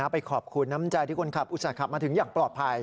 ไปขอบคุณค่ะน้ำใจที่กุนอุตสนาธิบริษัทขับมาถึงอย่างปลอดภัย